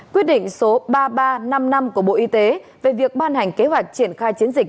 quyết định số ba nghìn ba trăm năm mươi năm của bộ y tế về việc ban hành kế hoạch triển khai chiến dịch